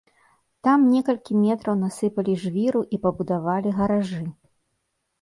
Там некалькі метраў насыпалі жвіру і пабудавалі гаражы.